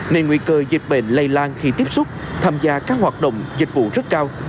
nên nguy cơ dịch bệnh lây lan khi tiếp xúc tham gia các hoạt động dịch vụ rất cao